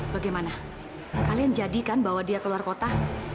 bagaimana kalian jadikan bahwa dia keluar kota